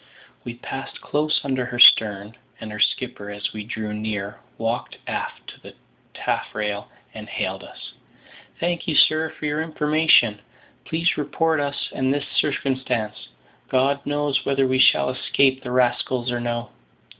We passed close under her stern; and her skipper, as we drew near, walked aft to the taffrail and hailed us. "Thank you, sir, for your information; please report us and this circumstance; God knows whether we shall escape the rascals or no."